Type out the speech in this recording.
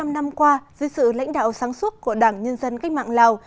bảy mươi năm năm qua dưới sự lãnh đạo sáng suốt của đảng nhân dân cách mạng lào